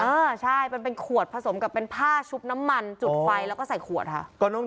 เออใช่เป็นขวดผสมกับเป็นผ้าชุบน้ำมันจุดไฟนะ